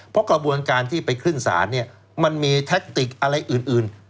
เพราะกระบวนการที่ไปขึ้นศาลเนี่ยมันมีแท็กติกอะไรอื่น